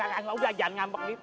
udah jangan ngambek gitu rapih